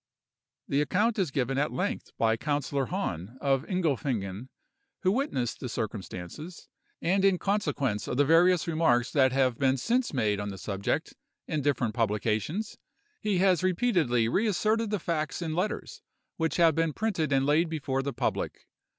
The account is given at length by Councillor Hahn, of Ingelfingen, who witnessed the circumstances; and in consequence of the various remarks that have been since made on the subject, in different publications, he has repeatedly reasserted the facts in letters, which have been printed and laid before the public.